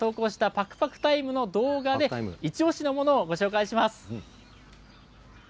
パクパクタイムの動画でイチおしのものをご紹介します。